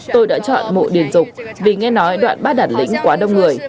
tôi đã chọn mộ điền dục vì nghe nói đoạn bắt đặt lĩnh quá đông người